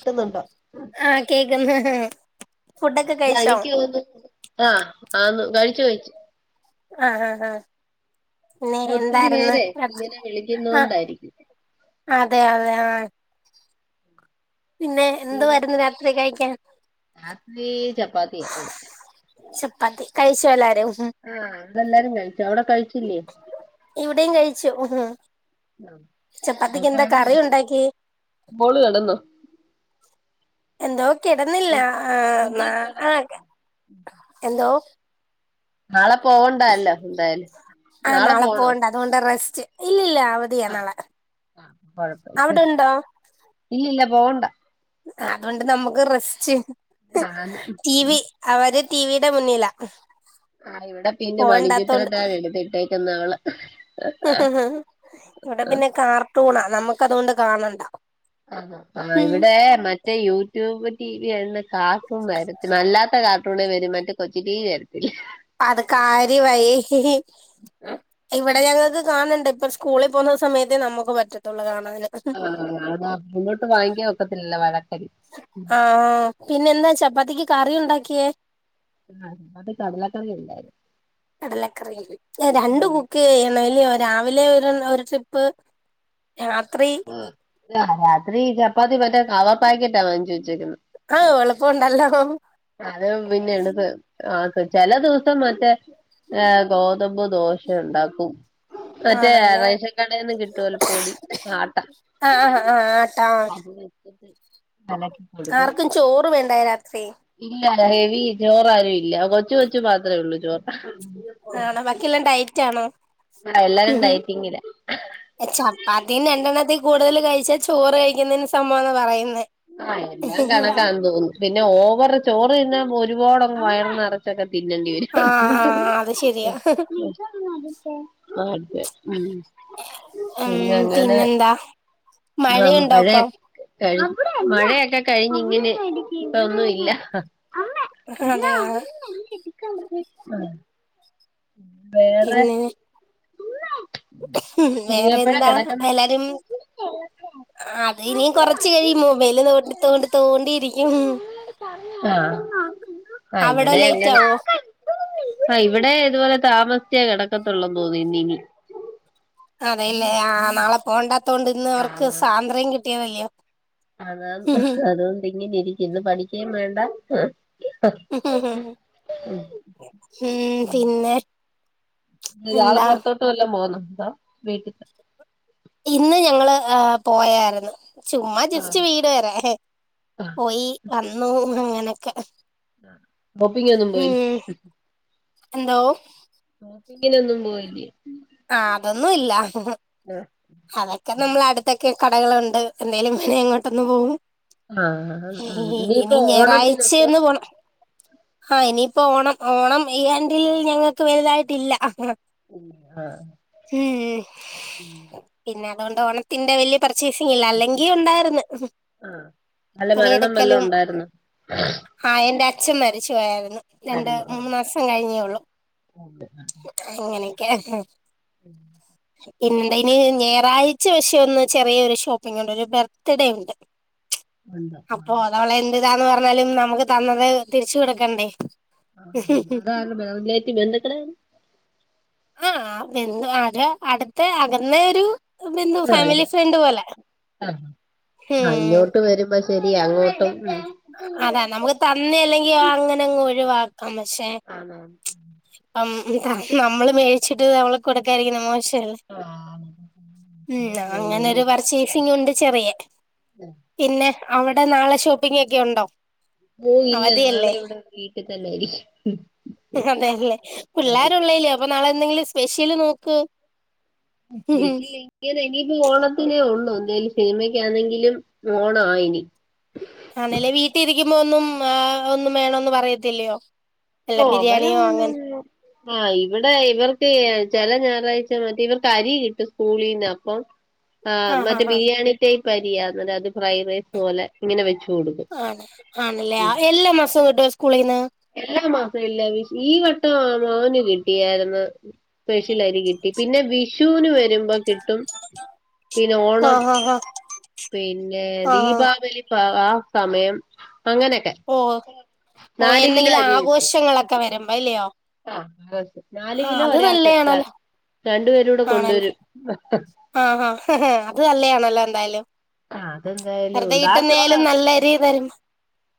കിട്ടുന്നുണ്ടോ ആഹ് കേക്ക്ന്ന് ഫുഡൊക്കെ കഴിച്ചോ അനക്ക് തോന്നുന്നു ആഹ് ആന്ന് കഴിച്ചുഴിച്ചു ആഹ് ആഹ് ആഹ് പിന്നെ അത് ഒത്തിരി എന്തായിരുന്നു പേരെ രക് ഇങ്ങനെ ആഹ് വിളിക്കുന്നോണ്ടായിരിക്കും അതെ അതെ ആഹ് പിന്നെ തീര എന്തോവായിരുന്നു രാത്രി കഴിക്കാൻ രാത്രി ചപ്പാത്തിയാ ഇവിടെ ചപ്പാത്തി കഴിച്ചോ എല്ലാരും ഉം ആഹ് ഇവിടെ എല്ലാരും കഴിച്ചു അവിടെ കഴിച്ചില്ലേ ഇവിടെയും കഴിച്ചു ഹ് ചപ്പാത്തിക്ക് എന്താ കെടന്നോ കറി ഉണ്ടാക്കി മോള് കെടന്നോ എന്തോ കിടന്നില്ല ആഹ് കുഞ്ഞ് മാ കെടന്നു ആഹ് എന്തോ നാളെ പോവണ്ടല്ലോ എന്തായലും നാളെ പോണോ പോണ്ട റെസ്റ്റ് ഇല്ലില്ല അവധിയാ ആഹ് നാളെ ആഹ് കൊഴപ്പല്ല അവിടെ ഉണ്ടോ? ഇല്ലില്ല പോവണ്ട അതു കൊണ്ട് നമുക്ക് റെസ്റ്റ് ആന്ന് ടി വി അവര് ടിവിയുടെ മുന്നിലാ ആ ഇവിടെ പിന്നെ പോവണ്ടാത്തോണ്ട് മണിചിത്രത്താഴ് എടുത്തിട്ടേക്കുന്ന അവള് ഇവിടെ പിന്നെ കാർട്ടൂണാ നമുക്ക് അതുകൊണ്ട് കാണണ്ട ആഹ്ആ ഉം ഇവിടെ മറ്റേ യൂട്യൂബ് ടി വി ആയതോണ്ട് കാർട്ടൂൺ വരത്തി അല്ലാത്ത കാർട്ടൂണേ വരും മറ്റേ കൊച്ചി ടി വി വരത്തില്ല അത് കാര്യ മായി ഇവിടെ ഞങ്ങൾക്ക് കാണണ്ട ഇപ്പൊ സ് സ്കൂളിൽ പോകുന്ന സമയത്ത് നമുക്ക് പറ്റത്തുള്ള് കാണാന് ആ റിമോട്ട് വാങ്ങിക്കാൻ ഒക്കത്തില്ലല്ലോ വഴക്കല്ലി ആഹ് പിന്നെ എന്താ ചപ്പാത്തിക്ക് കറി ഉണ്ടാക്കിയേ ആ അത് കടലക്കറിയല്ലായിട്ടും കടലക്കറി രണ്ട് കുക്ക് ചെയ്ണം ല്ലിയോ രാവിലെ ഒരു ഒരു ട്രിപ്പ് രാത്രി രാത്രി ചപ്പാത്തി മറ്റേ കാവാ പാക്കറ്റാ വാങ്ങിച്ചു വെച്ചേക്കുന്ന ആഹ് എളപ്പണ്ടല്ലോ അത് പിന്നെ എണക്ക് ആക്ക് ചില ദിവസം മറ്റേ ഏ ഗോതമ്പ് ദോശ ഉണ്ടാക്കും മറ്റേ ആണല്ലേ റേഷൻ കടേന്ന്‌ കിട്ടുവല്ല പൊടി ആട്ട ആഹ് ആ ആ ആഹ് ആട്ടാ നക്കെ ആർക്കും ചോറ് വേണ്ടേ രാത്രി. ഇല്ല ഹെവി ചോറ ആരും ഇല്ല. കൊച്ചു കൊച്ചു മാത്രമേ ഉള്ളൂ ചോറ്. ആണോ ബാക്കിയെല്ലാം ഡയറ്റ് ആണോ. ആഹ എല്ലാരും ഡയറ്റിങ്ങില. ചപ്പാത്തി രണ്ടെണ്ണത്തി കൂടുതൽ കഴിച്ചാ, ചോറ് കഴിക്കുന്നതിന് സമം ആന്ന പറയുന്നേ. ആഹ എല്ലാം കണക്കാന് തോന്നുന്നു. പിന്നെ ഓവറ് ചോറ് തിന്നാ ഒരുപാടങ്ങ് വയർ നറ [unintelligible] ക്കെ തിന്നേണ്ടി ആ വരും. ആ അത് ശരിയാ ഉം അതെ ഉം. ഉം പിന്നെ അങ്ങനെ പിന്നെന്താ ആഹ് മഴയുണ്ടാ മഴ ഇപ്പ? കഴി മഴയൊക്കെ കഴിഞ്ഞ് ഇങ്ങനെ ഇപ്പൊന്നും ല്ല. അതെയ [unintelligible] വേറെ പിന്നെ ഇനീ വേറെ എപ്പഴാ എന്താ കെടക്കുന്നെ? എല്ലാരും അത് ഇനിയും കൊറച്ച് കഴിയും. മൊബൈല് തോണ്ടി തോണ്ടി തോണ്ടിയിരിക്കും. ആഹ ആ അവിടെ ഇവിടെ ലേറ്റ് അങ്ങനെ. ആവോ ആഹ ഇവിടെ ഇതുപോലെ താമസിച്ചേ കിടക്കത്തുള്ളൂ തോന്നി ഇന്ന് ഇനി. അതെല്ലേ ആ നാളെ പോണ്ടാതോണ്ട് ഇന്ന് അവർക്ക് സാന്ദ്രം കിട്ടിയതല്ലയോ. അതാ അതുകൊണ്ട്‌ ഇങ്ങിന ഇരിക്കും. ഇന്ന് പഠിക്കുകയും വേണ്ട. ഉം പിന്നെ, ഇയാള് എന്താ പുറത്തോട്ടും വല്ലോം പോകുന്നുണ്ടോ? വീട്ടിൽ ത ഇന്ന് ഞങ്ങള് പോയായിരുന്നു. ചുമ്മാ ജസ്റ്റ് ആഹ് വീട് വരെ. ആഹ് പോയി വന്നു അങ്ങനെയൊക്കെ. ആ ബപ്പിങ്ങ ഒന്നും പോയില്ലേ. എന്തോ? ഷോപ്പിംങിനൊന്നും പോയില്ലേ? ആ അതൊന്നും ഇല്ല. ആ അതൊക്കെ നമ്മള് അടുത്തൊക്കെ കടകളുണ്ട്. എന്തേലും [unintelligible] അങ്ങോട്ടൊന്ന് പോകും. ആഹ് ആഹ് ഇനി ഇനി ഇനിയിപ്പോ ഓണത്തിനൊക്കെ ഞായറാഴ്ചയൊന്ന് പോണം. ആ ഇനിയിപ്പോ ഓണം. ഓണം ഈ ആണ്ടിൽ ഞങ്ങൾക്ക് വലുതായിട്ടില്ല. ഉം ആഹ. ഉം പിന്നെ അതുകൊണ്ട് ഓണത്തിന്റെ വല്യേ, പർച്ചേസിംഗില്ല. അല്ലെങ്കി ഉണ്ടായിരിന്ന്. വല്ല മരണം, വല്ലോം ഉണ്ടായിരുന്നോ? ആഹ് എന്റെ അച്ഛൻ മരിച്ചു പോയാരുന്നു. രണ്ട് മൂന്ന് മാസം കഴിഞ്ഞേള്ളു. അതെ ആ. അങ്ങനെയൊക്കെ [unintelligible] ഉം പിന്നെണ്ട്‌ ഇനി ഞായറാഴ്ച പശേ ഒന്ന് ചെറിയൊ ഒരു ഷോപ്പിംഗ ഉണ്ട്. ഒരു ബർത്ത്ഡേ ഉണ്ട്. ഉണ്ട് ആ അപ്പൊ ഒരാളെ എന്ത്‌ ത്താ പറഞ്ഞാലും നമുക്ക് തന്നത് തിരിച്ചുകോടുക്കണ്ടേ. അതാണ് [unintelligible] ട്ട് ബന്ധുകള്. ആഹ് ബന്ധു അത് അടുത്ത അകന്നേരു, ബന്ധു, ആ ഇത് ഫാമിലി ഫ്രണ്ട് പോലെ. വരു ബ ശരിയാ അങ്ങോട്ടും ഉം. അതെ. നമുക്ക് തന്ന അല്ലെങ്കി അങ്ങനെങ്ങ് ഒഴിവാക്കാം. പക്ഷെ, ആന്നാ ഉം. നമ്മ് നമ്മള് മേടിച്ചിട്ട് നമ്മള് കൊടുക്കാതിരിക്കണത് മോശല്ലേ. ആ അങ്ങനെ മം പോണല്ലേ അങ്ങനൊരു പർച്ചേസിങ് ഉണ്ട് ചെറിയെ. ആ. പിന്നെ അവിടെ നാളെ ഷോപ്പിംഗ് ഒക്കെ ഉണ്ടോ? ഓഹ് ഇല്ല നാളെ അവധിയല്ലേ ഇവിടെ വീട്ടിൽ തന്നെയിരിക്കും അതെയല്ലേ പിള്ളേരുള്ളല്ലേ അപ്പൊ നാളെ എന്തെങ്കിലും സ്പെഷ്യല് നോക്ക് ഉേ [unintelligible] ഇത് ഇനിയിപ്പോ ഓണത്തിനേ ഉള്ളൂ എന്തെലും സിനിമക്കാണെങ്കിലും ഓണവാ ഇനി ആണല്ലേ വീട്ടിലിരിക്കുമ്പോ ഒന്നും ആ ഒന്നും വേണം പറയത്തില്ലയോ അല്ല ഓഹ് അവൻ ബിരിയാണിയോ അങ്ങനെ അങ്ങനൊന്നും ആഹ് ഇവിടെ ഇവർക്ക് ചെല ഞായറാഴ്ച മറ്റേ ഇവർക്ക് അരി കിട്ടും സ്കൂളീന്ന് അപ്പം- ആഹ് ഹാ മറ്റേ ഹാ ബിരിയാണി ടൈപ് അരി അത് ഫ്രൈഡ് റൈസ് പോലെ ഇങ്ങനെ വെച്ച് ഓടും ആണ് ആണല്ലേ എല്ലാ മാസവും കിട്ടുവോ സ്കൂളിൽന്ന് എല്ലാ മാസം ഇല്ല ഈ വട്ടമാ മോന് കിട്ടിയായിര്ന്ന് സ്പെഷ്യൽ അരി കിട്ടി പിന്നെ വിഷുവിന് വരുമ്പം - കിട്ടും പിന്നെ ഓണം ആഹ് ഹാ ഹാ പിന്നെ ആഹ് ദീപാവലി ആഹ് ആ സമയം അങ്ങനെയൊക്കെ ഓഹ് ഓ ഹ് നാല് കിലോ എന്തെങ്കിലും അരി വെച്ച് ആഘോഷങ്ങളൊക്കെ വരുമ്പോ അല്ലിയോ ആഹ് നാല് കിലോ ഒരാൾക്ക് നല്ലയാണല്ലോ രണ്ടു പേരൂടെ ആണല്ലേ കൊണ്ടുവരും ആഹ് ഹാ അത് നല്ലയാണല്ലോ എന്തായാലും ആഹ് അതെന്തായാലും വെറുതെ ഉണ്ട് ആ ചോറ കിട്ടുന്നാലും നല്ല അരി തരും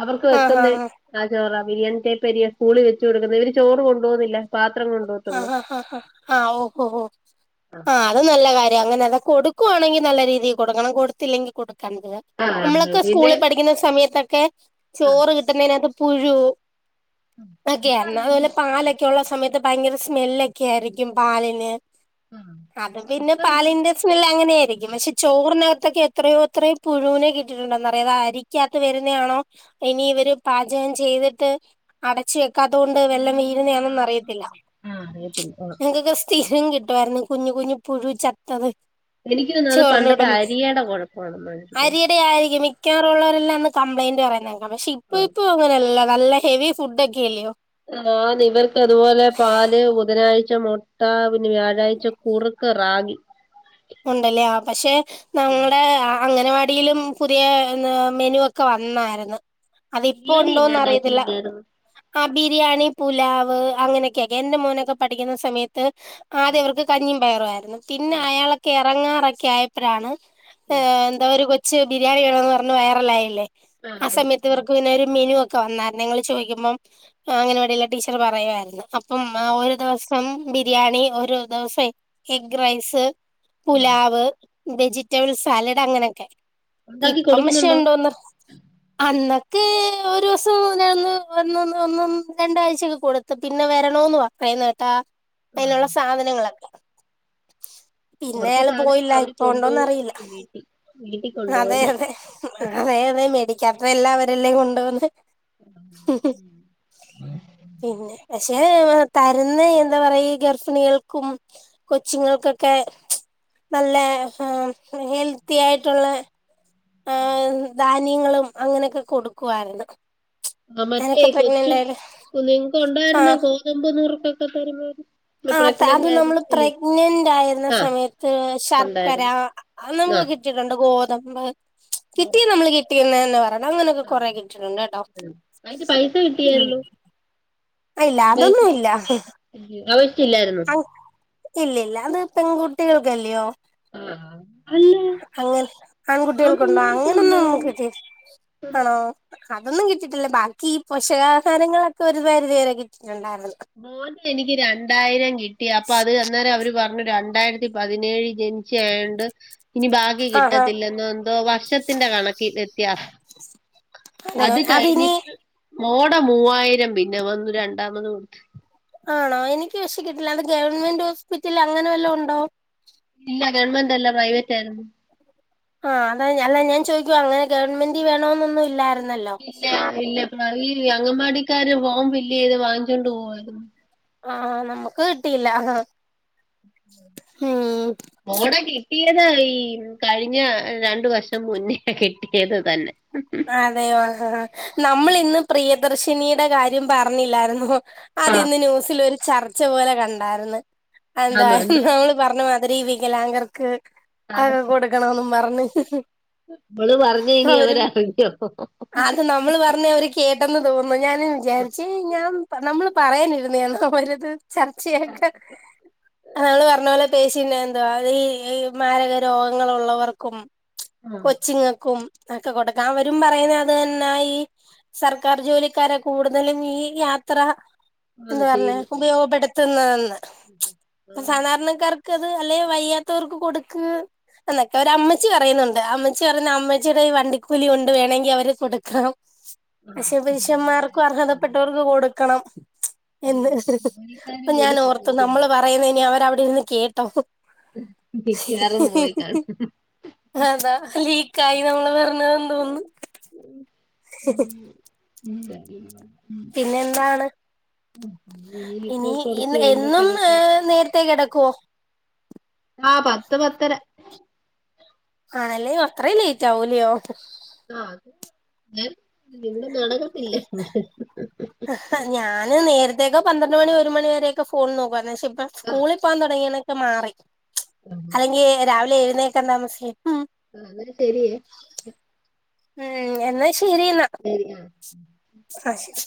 അവർക്ക് ആഹ് ഹാ വെക്കുന്ന ഹാ ആ ചോറാ ബിരിയാണി ടപ്പരിയ സ്കൂളി വെച്ച് കൊടുക്കുന്നേ ഇവര് ചോറ് കൊണ്ട് പോകുന്നില്ല പാത്രം കൊണ്ടോവും ആഹ് ആഹ് ഓഹോ ഓഹോ ആഹ് അത് നല്ല കാര്യ അങ്ങനെ അതാ കൊടുക്കുവാണെങ്കിൽ നല്ല രീതിയിൽ കൊടുക്കണം കൊടുത്തില്ലെങ്കിൽ കൊടുക്കാണ്ടാ- ആഹ് അതെ നമ്മളൊക്കെ പിന്നെ സ്കൂളിൽ പഠിക്കുന്ന സമയത്തൊക്കെ ആഹ് ചോറ് കിട്ടുന്നതിനതിനകത്ത് പുഴു- ഇപ്പ എന്നെക്കായ വല്ല അതൊന്നുമില്ല പാലൊക്കെ ഉള്ള സമയത്ത് ഭയങ്കര സ്മെല്ലൊക്കെ ആയിരിക്കും പാലിന് ആഹ് അത് പിന്നെ ഇപ്പൊ പാലിന്റെ ഇവർക്ക് സ്മെല്ല് അങ്ങനെ ആയിരിക്കും പക്ഷെ- ചോറിനകത്തൊക്കെ എത്രയോ എത്രയോ പുഴുവിനെ കിട്ടിട്ടുണ്ടന്നറിയോ അരിക്കകത്ത് വരുന്നയാണോ- ഇനി ഇവര് പാചകം ചെയ്തിട്ട് അടച്ച് വെക്കാത്ത കൊണ്ട് വെല്ലോം വീഴുന്നതാണോന്ന് അറിയത്തില്ല ആഹ് അറിയത്തില്ല ആഹ് ഞങ്ങക്കൊക്ക സ്ഥിരം കിട്ടുവാരുന്നു കുഞ്ഞു കുഞ്ഞു പുഴു ചത്തത് എനിക്ക് തോന്നുന്നു അത് ചോറിന്റെ കൂടെ പണ്ടത്തെ മി അരിയയുടെ കുഴപ്പമാണെന്നാ എനിക്ക് തോന്നുന്നു അരിയുടെ ആയിരിക്കും മി- മിക്കാറുള്ളവരല്ലം അന്ന് കംപ്ലയിന്റ് പറയുന്നേക്കാം പക്ഷെ ഇപ്പൊ ആഹ് ഇപ്പൊ അങ്ങനെയല്ല നല്ല ഹെവി ഫുഡ് ഒക്കെ അല്ലയോ ആന് ഇവർക്ക് അതുപോലെ പാല് ബുധനാഴ്- ച്ച മുട്ട പിന്നെ വ്യാഴാഴ്ച കുറുക്ക് റാഗി ഉണ്ടല്ലേ പക്ഷെ നമ്മുടെ അംഗനവാടി - അടിയിലും പുതിയ മെനു ഒക്കെ വന്നായിരുന്നു അതിപ്പോ ബിരിയാണി ഉണ്ടോന്ന് അറിയത്തില്ല എങ്ങാണ്ടാക്കിയില്ലായിരുന്നോ ആ ബിരിയാണി പുലാവ് അങ്ങനെയൊ ക്കെക്കെ എന്റെ മോനൊക്കെ പഠിക്കുന്ന സമയത്ത്- ആദ്യവർക്ക് കഞ്ഞിയും പയറുയിരുന്നു പിന്നെ ആഹ് അയാളൊക്കെ എറങ്ങാറൊക്കെ ആയപ്പോഴാണ്- എന്താ ഒരു കൊച്ച് ബിരിയാണി വേണന്ന് പറഞ് വൈറൾൽ ആയില്ലേ ആ ആഹ് സമയത്ത് ആഹ് ഇവർക്ക് പിന്നെ ഒരു മെനു ഒക്കെ വന്നായിരുന്നു നിങ്ങള് ചോദിക്കുമ്പം- ആ അംഗനവാടിയിലെ ടീച്ചർ പറയുമായിരുന്നു അപ്പം ആ ഒരു ദിവസം ബിരിയാണി ഒരു ദിവസ- എഗ് റൈസ് ആഹ് പുലാവ് വെജിറ്റബിൾ സാലഡ് അങ്ങനെയൊക്കെ ഉണ്ടാക്കി ഇപ്പം പക്ഷേ കൊടുക്കുന്നുണ്ടോ ഉണ്ടോന്ന്- [unintelligible] അന്നൊക്കെ ഒരു ദിവസം മന്ന് ഒന്ന് ഒന്നൊന്ന് രണ്ടാഴ്ചൊക്കെ കൂടു- പിന്നെ വരണോന്ന് പറഞ്ഞായിരുന്നു ആ അതിനുള്ള സാധനങള് പിന്നെ കൊറച്ച് അയാള് സാധനങ്ങൾ പോയില്ല അവര് ഇപ്പ ഉണ്ടോന്നറിയില്ല കൊണ്ടുപോവായിരിക്കും വീട്ടി വീട്ടി അതെ അതെ കൊണ്ടുപോവായിരിക്കും അതെ അതെ മേടിക്കാത്ത എല്ലാം അവരെല്ലേ കൊണ്ടു പോകുന്നേ പിന്നെ പക്ഷേ തരുന്ന എന്താ പറയാ ഈ ഗർഭിണികൾക്കും- കൊച്ചിങ്ങൾക്കൊക്കെ- നല്ല ഹെൽത്തി ആയിട്ടുള്ള ധാന്യങ്ങളും അങ്ങനെയൊക്കെ കൊടുക്കു വായിരുന്നു ആഹ് മറ്റേ കൊച്ചു നിങ്ങക്ക് ആ ഉണ്ടായിരുന്ന ഗോതമ്പ് നുറുക്ക് ഒക്കെ തരുമോ ആഹ് അത് നമ്മള് പ്രഗ്നന്റ് ആയിരുന്ന ആ സമയത്ത് ശർക്കര ഉണ്ടായിരുന്നു അത് നമുക്ക് കിട്ടിട്ടുണ്ട് ഗോതമ്പ് കിട്ടിയ നമ്മള് കിട്ടിയെന്ന് തന്നെ പറയണം അങ്ങനെയൊക്കെ ആഹ് കൊറെ കിട്ടിയിട്ടുണ്ട് കേട്ടോ അതിന്റെ പൈസ ഉം കിട്ടിയായിരുന്നോ ഇല്ല അതൊന്നും ഇല്ല ഇവ്ടെവെച്ച് ഇില്ലായിരുന്നു ഇല്ല ഇല്ല അത് പെൺകുട്ടികൾക്കല്ലയോ ആഹ് അങ്ങെ ആൺകുട്ടികൾക്കുണ്ടോ പിള്ളേർക്കും അങ്ങനെ ഒന്നും നമുക്ക് ഉണ്ടായിരുന്നു കിട്ടിയിട്ടില്ല ആണോ അതൊന്നും കിട്ടിട്ടില്ല ബാക്കി ഈ പോഷകാഹാരങ്ങളൊക്കെ ഒരു പരിധി വരെ കിട്ടിയിട്ടുണ്ടായിരുന്നു മോന് എനിക്ക് രണ്ടായിരം കിട്ടി അപ്പൊ അവര് അന്നേരം അവര് പറഞ്ഞു രണ്ടായിരത്തി പതിനേഴിൽ ജനി തീച്ചയായണ്ട് ഇനി ബാക്കി ആഹ് ആഹ് കിട്ടത്തില്ലെന്നന്തോ വർഷത്തിന്റെ കണക്കിൽ വ്യത്യാസം അതെ അത് അതിനി കഴിഞ്ഞിട്ട് മോട മൂവായിരം പിന്നെ വന്നു രണ്ടാമത് കൊടുത്ത് ആണോ എനിക്ക് പക്ഷേ കിട്ടില്ല അത് ഗവൺമെന്റ് ഹോസ്പിറ്റലിലെ അങ്ങനെ വല്ലോ ഉണ്ടോ ഇല്ല ഗവൺമെന്റ് അല്ല പ്രൈവറ്റ് ആയിരുന്നു ആഹ് അതാ അല്ല ഞാൻ ചോദിക്കുവ അങ്ങനെ ഗവൺമെന്റ് വേണോന്നൊന്നും ഇല്ലായിരുന്നല്ലോ ഇല്ല ഇല്ല അറിയില്ല അംഗൻവാടിക്കാര് ഫോം ഫിൽയ്ത് വാങ്ങിച്ചോണ്ട് പോയത് ആഹ് നമ്മക്ക് കിട്ടിയില്ലഹ ഹും മോട കിട്ടിയത് ഈ കഴിഞ്ഞ രണ്ടു വർഷം മുന്നേ കിട്ടിയത് തന്നെ അതെയോ നമ്മൾ ഇന്ന് പ്രിയദർശിനിയുടെ കാര്യം പറഞ്ഞില്ലായിരുന്നോ അത് ആ ഇന്ന് ന്യൂസിൽഒരു ചർച്ച പോലെ കണ്ടാരുന്നു ആണോ എന്തോ എന്തായിന്നു പർഞ്ഞമാതിരി ഇ വികലാംഗർക്ക് അവക്ക് കൊടുക്കണോന്ന് പറഞ്ഞ് ഇവള് പറഞ്ഞ അവരും [unintelligible] അത് നമ്മൾ പറഞ്ഞ അവര് കേട്ടെന്ന് തോന്നു ഞാനും വിചാരിച്ച് ഞാൻ പർ നമ്മള് പറയാനിരുന്നയണോ അവര്ത് ചർച്ചയാക്കാൻ നമ്മള് പറഞ്ഞ പോലെ പേഷ്യന്റ് എന്തായി ഈ മാരക രോഗങ്ങളൾ ഉള്ളവർക്കും ആ കൊച്ചിങ്ങക്കും ഒക്കെ കൊട്ക്ക അവരും പറയുന്നത് തന്നെ ഈ സർക്കാർ ജോലിക്കാരെ കൂടുതലും ഈ യാത്ര പെന്ന് ആന്ന് പർഞ്ഞ് ചെയ്യുന്നെ ഉപയോഗപ്പെടുത്തുന്നതന്ന് ഇപ്പ ആഹ് സാധാരണക്കാർ ക്കത് അല്ലെ വയ്യാത്തവർക്ക് കൊടുക്ക് എന്നൊക്കെ ഒരു അമ്മച്ചി പറയുന്നുണ്ട് അമ്മച്ചി പറയുന്നേ അമ്മച്ചിയുടെ വണ്ടി കുലി കൊണ്ട് വേണങ്കി അവര് കൊടുക്കണം പക്ഷേ പുരുഷന്മാർക്കും ആഹ് അർഹതപ്പെട്ടവർക്ക് കൊടുക്കണം എന്ന് ജോലിക്കാര് പ്പം ഞാൻ പോലും ഓർത്തു നമ്മള് സമ്മതിക്കുന്നില്ല പറയുന്നേന്നെ ന അവരവിടെന്ന് കേട്ടു ട്ടഹു മിക്കവാറും പോയി കാണും അതാ ലീക്കായി നമ്മള് വരഞ്ഞത എ തോന്നുന്നു [unintelligible] പിന്നെ എന്താണ് ഉം [unintelligible] ഇനി ഇന്ന് എന്നും ഏഹ് നേരത്തേ കിടക്കുവോ ആഹ് പത്ത് പത്തര ആണല്ലേ അത്രയും ലേറ്റ് ആവൂലയോ ആഹ് അത് ഞാൻ നിണ്ടും നാടകൊകെല്ലേ ഹ ഞാന് നേരത്തേക്ക പന്ത്രണ്ട് മണി ഒരു മണി വരെയൊക്കെ ഫോൺ നോക്കുവായിരുന്നു പക്ഷെ ഇപ്പോൾ സ്കൂളിൽ പോാൻ തുടങ്ങിണ പ്പൊമാറി ആഹ് അല്ലെങ്കി രാവിലെ എഴുന്നേക്കാ താമസി ഉം അതൊരു ശെരിയേ ഉം എന്നാ ശരിന്നാ ശരിനാ അഹ് ശരി